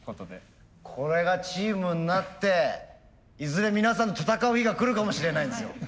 これがチームになっていずれ皆さんと戦う日がくるかもしれないですよ。